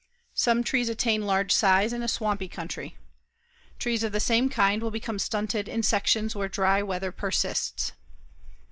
Some trees attain large size in a swampy country. Trees of the same kind will become stunted in sections where dry weather persists.